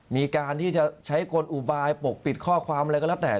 มีการที่จะใช้กลอุบายปกปิดข้อความอะไรก็แล้วแต่